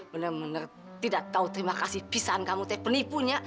benar benar tidak tahu terima kasih pisaan kamu penipunya